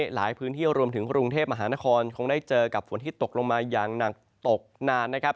หลายพื้นที่รวมถึงกรุงเทพมหานครคงได้เจอกับฝนที่ตกลงมาอย่างหนักตกนานนะครับ